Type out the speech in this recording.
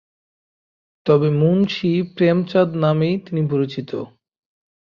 তবে মুন্সী প্রেমচাঁদ নামেই তিনি পরিচিত।